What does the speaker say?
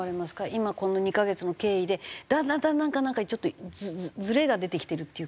今この２カ月の経緯でだんだんだんだんちょっとずれが出てきてるっていうか。